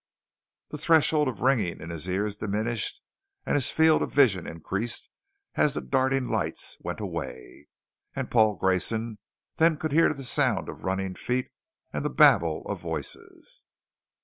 The threshold of ringing in his ears diminished and his field of vision increased as the darting lights went away, and Paul Grayson then could hear the sound of running feet and the babble of voices.